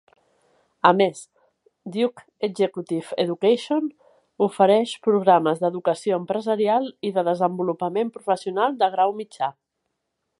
A més, Duke Executive Education ofereix programes d'educació empresarial i de desenvolupament professional de grau mitjà.